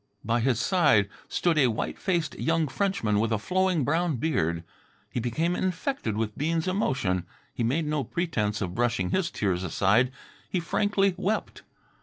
By his side stood a white faced young Frenchman with a flowing brown beard. He became infected with Bean's emotion. He made no pretence of brushing his tears aside. He frankly wept.